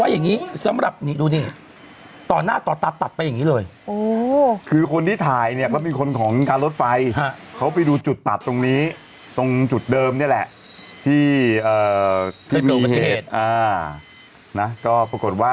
อยากโพสแต่รถไปอย่างเดียว